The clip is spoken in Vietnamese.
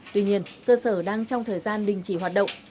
tuy nhiên cơ sở đang trong thời gian đình chỉ hoạt động